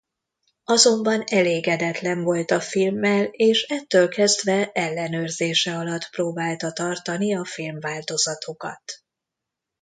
Azonban elégedetlen volt a filmmel és ettől kezdve ellenőrzése alatt próbálta tartani a filmváltozatokat.